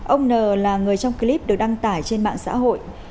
ông n là người trong clip được đăng tải trên mạng xã hội